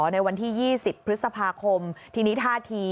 ในวันที่๒๐พฤษภาคมที่นิทาธิ